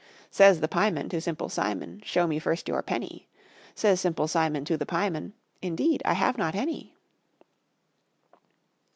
Says the pieman to Simple Simon: "Show me first your penny;" Says Simple Simon to the pieman: "Indeed I have not any."